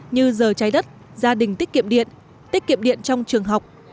như giờ trái đất gia đình tiết kiệm điện tiết kiệm điện trong trường học